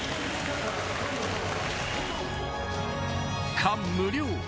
感無量。